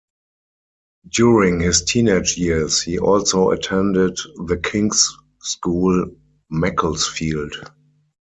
During his teenage years he also attended The King's School, Macclesfield.